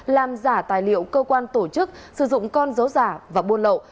làm giả tài liệu cơ quan tổ chức sử dụng con dấu giả và buôn lậu